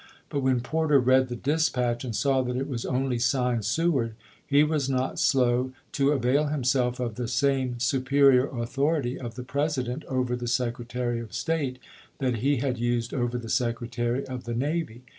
But when Por ter read the dispatch, and saw that it was only signed " Seward," he was not slow to avail himself of the same superior authority of the President over the Secretary of State that he had used over the Secretary of the Navy.